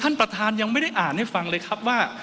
ท่านประธานยังไม่ได้อ่านให้ฟังเลยครับว่า